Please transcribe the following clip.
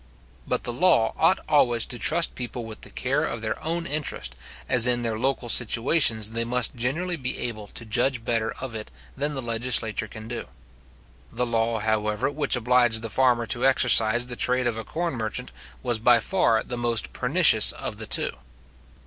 But the law ought always to trust people with the care of their own interest, as in their local situations they must generally be able to judge better of it than the legislature can do. The law, however, which obliged the farmer to exercise the trade of a corn merchant was by far the most pernicious of the two.